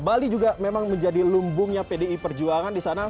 bali juga memang menjadi lumbungnya pdi perjuangan di sana